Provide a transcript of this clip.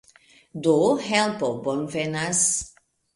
Do, helpo bonvenas.